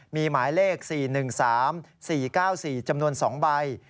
มีหมายเลข๔๑๓๔๙๔จำนวน๒ใบ